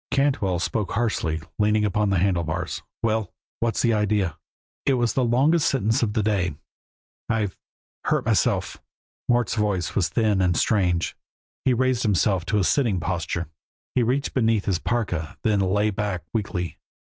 Cantwell spoke harshly, leaning upon the handle bars: "Well! What's the idea?" It was the longest sentence of the day. "I've hurt myself." Mort's voice was thin and strange; he raised himself to a sitting posture, and reached beneath his parka, then lay back weakly.